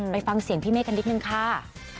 ไปฟังเสียงพี่เมฆกันนิดนึงค่ะ